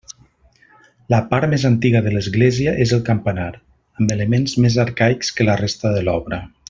La part més antiga de l'església és el campanar, amb elements més arcaics que la resta de l'obra.